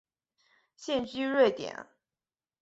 现居瑞典。